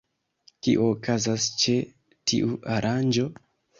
Kio okazas ĉe tiu aranĝo?